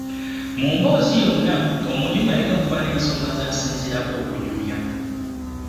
Mu mboozi yonna omunyumya alina okuba n’ensonga z’asinziirako okunyumya.